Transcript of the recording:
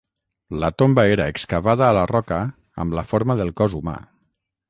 La tomba era excavada a la roca amb la forma del cos humà.